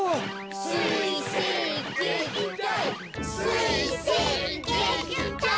すいせいげきたい。